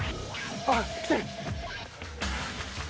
あっ来てる。